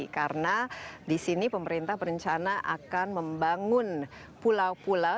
karena disini pemerintah berencana akan membangun pulau pulau